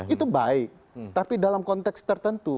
itu baik tapi dalam konteks tertentu